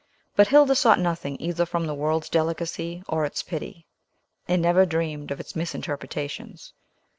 But Hilda sought nothing either from the world's delicacy or its pity, and never dreamed of its misinterpretations.